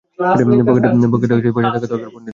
পকেটে পয়সা থাকা দরকার, পন্ডিতজি।